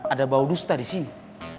ada bau dusta di sini